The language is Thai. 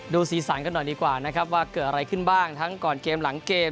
สีสันกันหน่อยดีกว่านะครับว่าเกิดอะไรขึ้นบ้างทั้งก่อนเกมหลังเกม